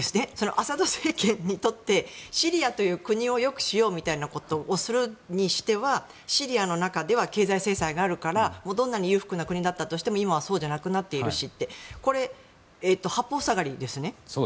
アサド政権にとってシリアという国を良くしようみたいなことをするにしてはシリアの中では経済制裁があるからどんなに裕福な国だったとしても今はそうじゃなくなっているし八方塞がりですよね。